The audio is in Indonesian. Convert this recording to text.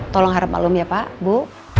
tolong harap alum ya pak bu